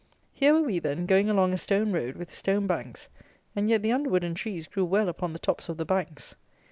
Here were we, then, going along a stone road with stone banks, and yet the underwood and trees grew well upon the tops of the banks.